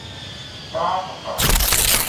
تاں خپا ہے